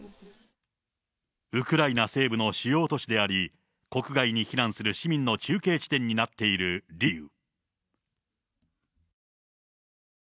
ウクライナ西部の主要都市であり、国外に避難する市民の中継地点になっているリビウ。